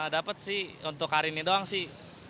dapat sih untuk hari ini doang sih